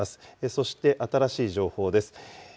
そして、新しい情報です。